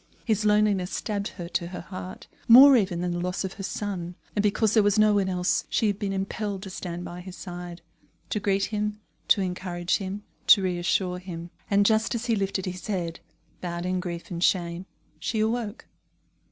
His loneliness stabbed her to her heart, more even than the loss of her son; and because there was no one else, she had been impelled to stand by his side, to greet him, to encourage him, to reassure him. And just as he lifted his head, bowed in grief and shame, she awoke.